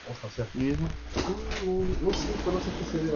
Incluye canciones de música navideña tradicional y algunas producciones nuevas.